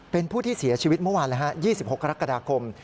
เป็นผู้ที่เสียชีวิตเมื่อวาน๒๖กรกฎาคม